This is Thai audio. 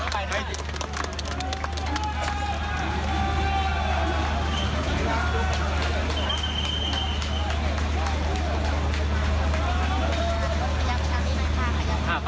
ขอบคุณค่ะ